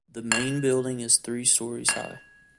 The main building is three stories high.